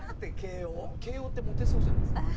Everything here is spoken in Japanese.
慶應ってモテそうじゃないですか。